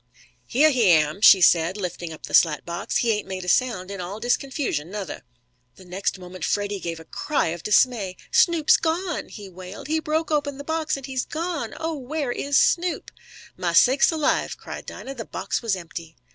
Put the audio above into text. "Heah he am!" she said, lifting up the slatbox. "He ain't made a sound in all dis confusion, nuther." The next moment Freddie gave a cry of dismay: "Snoop's gone!" he wailed. "He broke open the box and he's gone! Oh, where is Snoop?" "Ma sakes alive!" cried Dinah. The box was empty!